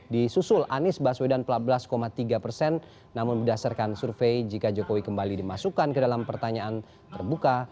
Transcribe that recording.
di susul anies baswedan sebelas tiga persen namun berdasarkan survei jika jokowi kembali dimasukkan ke dalam pertanyaan terbuka